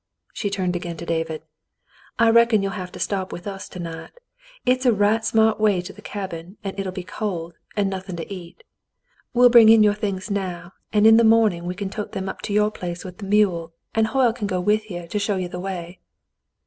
She turned again to David. "I reckon you'll have to stop with us to night. It's a right smart way to the cabin, and it'll be cold, and nothing to eat. We'll bring in your things now, and in the morn ing we can tote them up to your place with the mule, and Hoyle can go with you to show you the way."